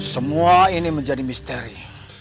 semua ini menjadi misteri